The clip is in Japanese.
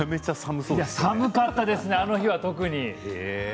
寒かったです、あの日は特に。